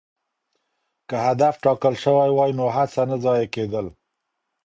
که هدف ټاکل سوی وای نو هڅه نه ضایع کېدل.